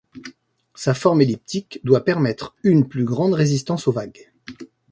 Sa forme elliptique doit permettre une plus grande résistance aux vagues.